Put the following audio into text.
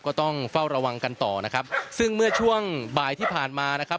ก็ต้องเฝ้าระวังกันต่อนะครับซึ่งเมื่อช่วงบ่ายที่ผ่านมานะครับ